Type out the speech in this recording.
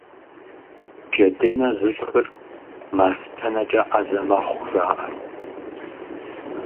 Джэдынэ зышхыр мастэнэкӀэ Ӏэзэ мэхъу, жаӀэрт.